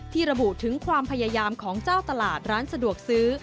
ระบุถึงความพยายามของเจ้าตลาดร้านสะดวกซื้อ